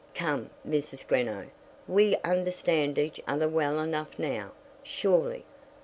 Come, Mrs. Greenow. We understand each other well enough now, surely.